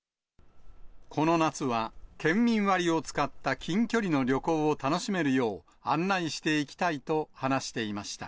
この夏は、県民割を使った近距離の旅行を楽しめるよう、案内していきたいと話していました。